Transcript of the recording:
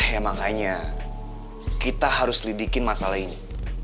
ya makanya kita harus lidikin masalah ini